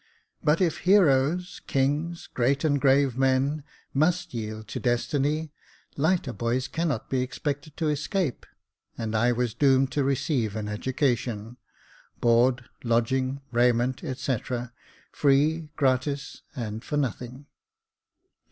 But if heroes, kings, great and grave men, must yield to destiny, lighter boys cannot be expected to escape ; and I was doomed to receive an education, board* lodging, raiment, etc., free, gratis, and for nothing.